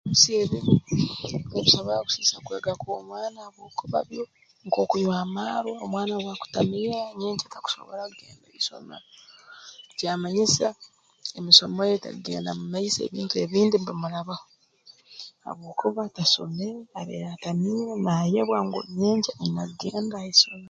Ebikoosi ebibi nibisobora kusiisa kwega kw'omwana habwokuba byo nk'okunywa amarwa omwana obu akutamiira nyenkya takusobora kugenda ha isomero kyamanyisa emisomo ye tekugenda mu maiso ebintu ebindi mbimurabaho habwokuba tasomere abaire atamiire naayebwa ngu nyenkya aine kugenda ha isome